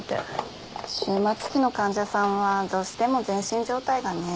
終末期の患者さんはどうしても全身状態がね。